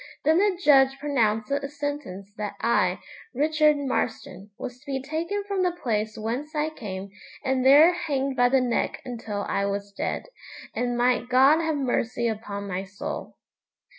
Then the judge pronounced the sentence that I, Richard Marston, was to be taken from the place whence I came, and there hanged by the neck until I was dead. 'And might God have mercy upon my soul!'